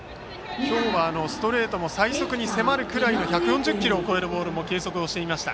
今日はストレートも最速に迫るくらいの１４０キロ超えるボールも計測していました。